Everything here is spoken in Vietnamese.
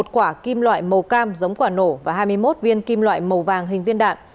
một quả kim loại màu cam giống quả nổ và hai mươi một viên kim loại màu vàng hình viên đạn